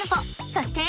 そして！